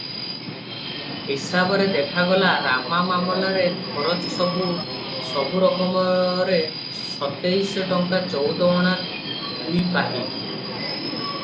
ହିସାବରେ ଦେଖାଗଲା, ରାମା ମାମଲାରେ ଖରଚ ସବୁ ସବୁ ରକମରେ ସତେଇଶ ଟଙ୍କା ଚଉଦ ଅଣା ଦୁଇପାହି ।